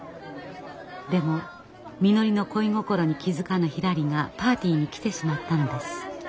でもみのりの恋心に気付かぬひらりがパーティーに来てしまったのです。